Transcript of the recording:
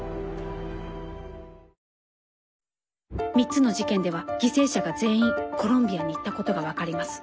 ３つの事件では犠牲者が全員コロンビアに行ったことが分かります。